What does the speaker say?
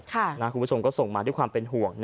คุณผู้ชมก็ส่งมาด้วยความเป็นห่วง